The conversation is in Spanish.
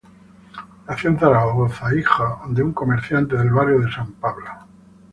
Nació en Zaragoza, hijo de un comerciante del Barrio de San Pablo.